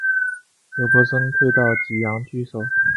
刘伯升退到棘阳据守。